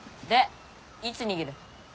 でいつ逃げる？